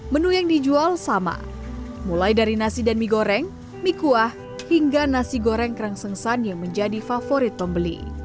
menu yang dijual sama mulai dari nasi dan mie goreng mie kuah hingga nasi goreng kerangsengsan yang menjadi favorit pembeli